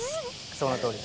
そのとおり。